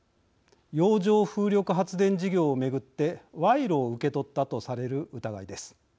洋上風力発電事業を巡って賄賂を受け取ったとされる疑いです。